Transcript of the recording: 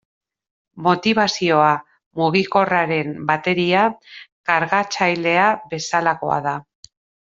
Motibazioa mugikorraren bateria kargatzailea bezalakoa da.